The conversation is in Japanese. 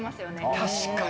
確かに。